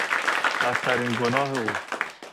بدترین گناه او